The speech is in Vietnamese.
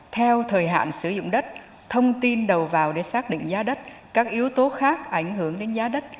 theo thời hạn sử dụng đất thông tin đầu vào để xác định giá đất các yếu tố khác ảnh hưởng đến giá đất